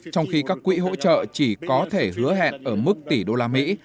trong khi các quỹ hỗ trợ chỉ có thể hứa hẹn ở mức tỷ đô la mỹ